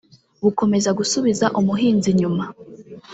bukomeza gusubiza umuhinzi inyuma